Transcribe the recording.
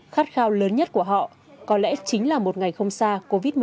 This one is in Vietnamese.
khát khao lớn nhất của họ có lẽ chính là một ngày không xa covid một mươi chín